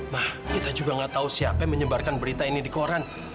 nah kita juga nggak tahu siapa yang menyebarkan berita ini di koran